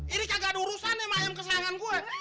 ini kagak ada urusan sama ayam kesayangan gue